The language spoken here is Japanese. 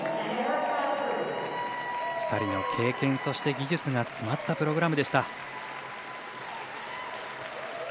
２人の経験そして技術が詰まったプログラムでした。